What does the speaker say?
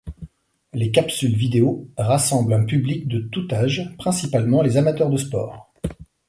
Les capsules vidéos rassemblent un public de tout âge, principalement les amateurs de sport.